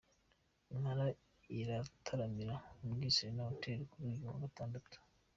Impala irataramira muri Serena Hoteli kuri uyu wa Gatandatu